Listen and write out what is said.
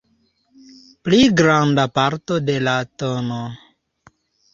Pli granda parto de la tn.